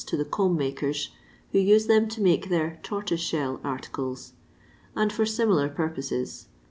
to the comb makers, who use them to make their "tortoise shell" articles, and for similar purposes.